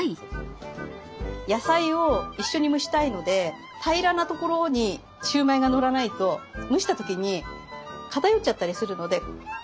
野菜を一緒に蒸したいので平らな所にシューマイがのらないと蒸した時に片寄っちゃったりするので。